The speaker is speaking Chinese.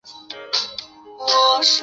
不能回复原状